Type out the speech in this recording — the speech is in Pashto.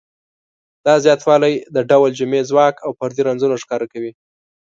دا زیاتوالی د ډول جمعي ځواک او فردي رنځونه ښکاره کوي.